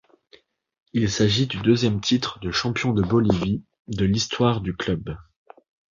Il s'agit du deuxième titre de champion de Bolivie de l'histoire du club.